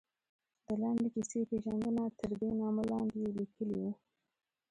د لنډې کیسې پېژندنه، تردې نامه لاندې یې لیکلي وو.